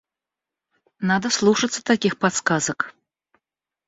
Надо слушаться таких подсказок.